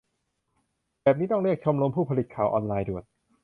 แบบนี้ต้องเรียกชมรมผู้ผลิตข่าวออนไลน์ด่วน !